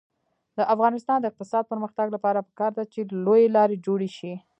د افغانستان د اقتصادي پرمختګ لپاره پکار ده چې لویې لارې جوړې شي.